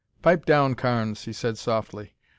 "Pipe down, Carnes," he said softly.